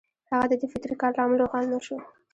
د هغه د دې فطري کار لامل روښانه نه شو